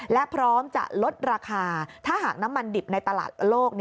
และพร้อมจะลดราคาถ้าหากน้ำมันดิบในตลาดโลก